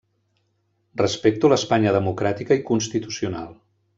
Respecto l'Espanya democràtica i constitucional.